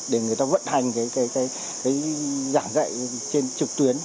để người ta vận hành cái giảng dạy trên trực tuyến